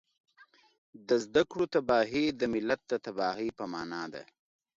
د زده کړو تباهي د ملت د تباهۍ په مانا ده